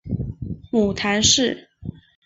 母谈氏。